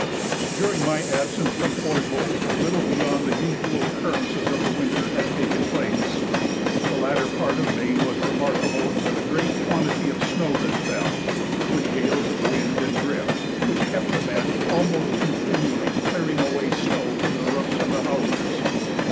During my absence from Fort Hope little beyond the usual occurrences of the winter had taken place. The latter part of May was remarkable for the great quantity of snow that fell, with gales of wind and drift, which kept the men almost continually clearing away snow from the roofs of our houses.